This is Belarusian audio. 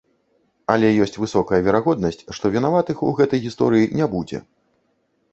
Але ёсць высокая верагоднасць, што вінаватых у гэтай гісторыі не будзе.